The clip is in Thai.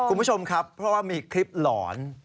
คุณผู้ชมครับเพราะว่ามีคลิปหลอน